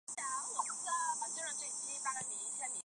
阿尔泰鹤虱为紫草科鹤虱属天山鹤虱的变种。